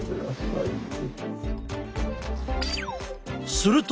すると！